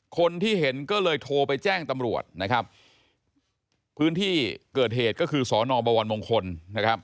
คนที่เห็นก็เลยโทรไปแจ้งตำรวจนะครับพื้นที่เกิดเหตุก็คือสอนอบวรมงคลนะครับ